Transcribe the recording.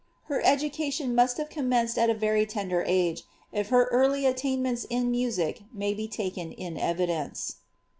Her education must have commenced at a very tender age, if her carlj attainments in music mav be taken in evidence.